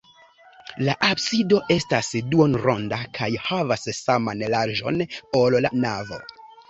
La absido estas duonronda kaj havas saman larĝon, ol la navo.